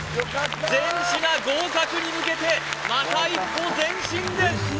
全品合格に向けてまた一歩前進です